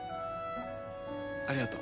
ありがとう。